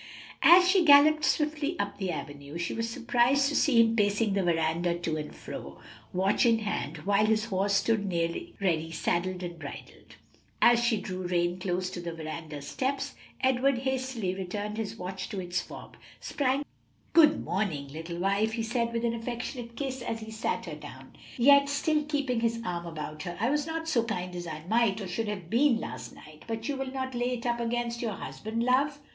As she galloped swiftly up the avenue, she was surprised to see him pacing the veranda to and fro, watch in hand, while his horse stood near ready saddled and bridled. As she drew rein close by the veranda steps, Edward hastily returned his watch to its fob, sprang forward, and lifted her from the saddle. "Good morning, little wife," he said with an affectionate kiss as he set her down, yet still keeping his arm about her. "I was not so kind as I might, or should have been last night, but you will not lay it up against your husband, love?"